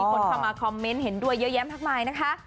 คนเข้ามาคอมเมนต์เห็นด้วยเยอะแยะมากมายนะคะ